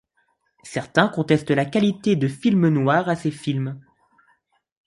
Certains contestent la qualité de film noir à ces films.